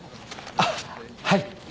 あっはい。